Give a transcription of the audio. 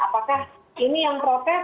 apakah ini yang protes